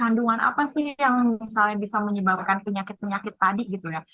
kandungan apa sih yang misalnya bisa menyebabkan penyakit penyakit tadi gitu ya